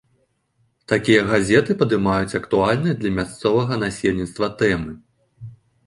Такія газеты падымаюць актуальныя для мясцовага насельніцтва тэмы.